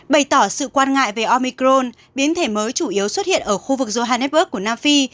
bày tỏ sự quan ngại về omicron biến thể mới chủ yếu xuất hiện ở khu vực johannesburg của nam phi